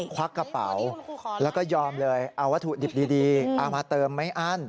ควักกระเป๋าแล้วก็ยอมเลยเอาวัตถุดิบดีเอามาเติมไม่อั้น